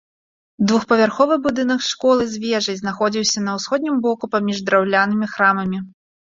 Двухпавярховы будынак школы з вежай знаходзіўся на ўсходнім боку паміж драўлянымі храмамі.